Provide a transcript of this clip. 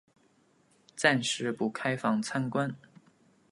暂时不开放参观